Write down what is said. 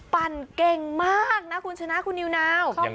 ปั่นเก่งมากนะคุณชนะคุณนิวนาว